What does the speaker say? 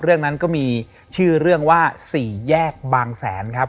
เรื่องนั้นก็มีชื่อเรื่องว่าสี่แยกบางแสนครับ